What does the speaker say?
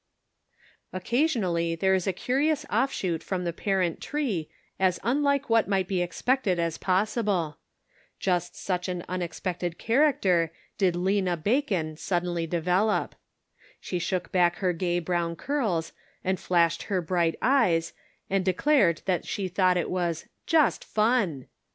Occasionally there is a curious offshoot from the parent tree as unlike what might be ex pected as possible. Just such an unexpected 266 The Pocket Measure. character did Lena Bacon suddenly develop. She shook back her gay brown curls, and flashed her bright eyes, and declared that she thought it was "just fun."